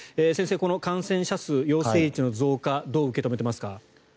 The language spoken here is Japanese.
先生、この感染者数陽性率の増加をどう受け止めてますか。